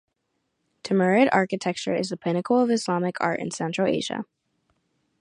Timurid architecture is the pinnacle of Islamic art in Central Asia.